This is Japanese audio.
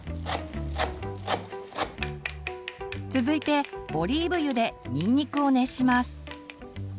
続いてオリーブ油でにんにくを熱します。